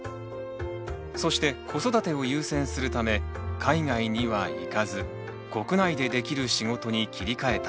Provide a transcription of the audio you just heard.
そして子育てを優先するため海外には行かず国内でできる仕事に切り替えた。